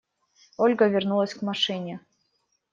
Ольга вернулась к машине.